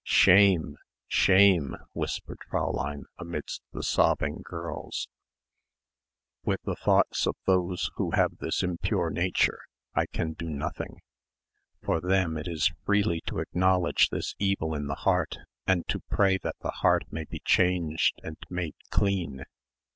Shame, shame," whispered Fräulein amidst the sobbing of the girls. "With the thoughts of those who have this impure nature I can do nothing. For them it is freely to acknowledge this evil in the heart and to pray that the heart may be changed and made clean.